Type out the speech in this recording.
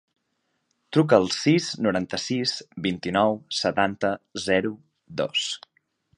Truca al sis, noranta-sis, vint-i-nou, setanta, zero, dos.